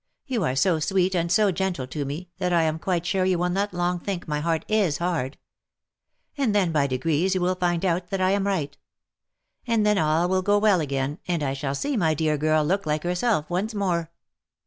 You are so sweet and so gentle to me, that I am quite sure you will not long think my heart is hard ; and then by degrees you will find out that I am right ; and then all will go well again, and 1 shall see my dear girl look like herself once more."